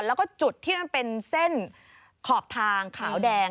แล้วก็จุดที่มันเป็นเส้นขอบทางขาวแดง